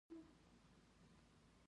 زکات څنګه مال پاکوي؟